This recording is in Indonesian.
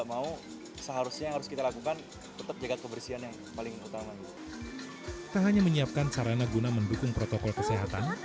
tak hanya menyiapkan sarana guna mendukung protokol kesehatan